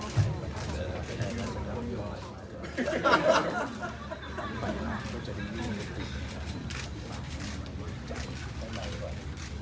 สวัสดีครับ